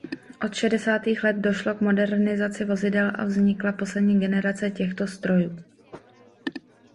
Od šedesátých let došlo k modernizaci vozidel a vznikla poslední generace těchto strojů.